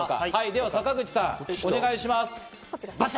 では坂口さん、お願いします。